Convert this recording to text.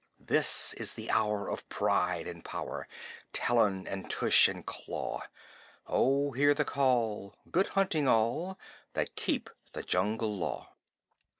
This is the hour of pride and power, Talon and tush and claw. Oh, hear the call! Good hunting all That keep the Jungle Law!